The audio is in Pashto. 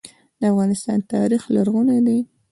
د افغانستان تاریخ لرغونی دی